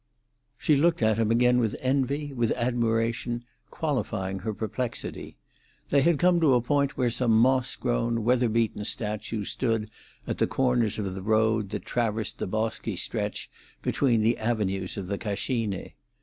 She looked at him again with envy, with admiration, qualifying her perplexity. They had come to a point where some moss grown, weather beaten statues stood at the corners of the road that traversed the bosky stretch between the avenues of the Cascine.